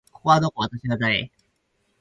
ここはどこ？私は誰？